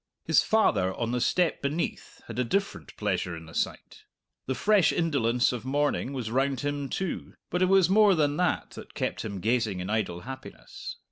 His father on the step beneath had a different pleasure in the sight. The fresh indolence of morning was round him too, but it was more than that that kept him gazing in idle happiness.